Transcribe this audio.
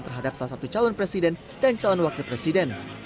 terhadap salah satu calon presiden dan calon wakil presiden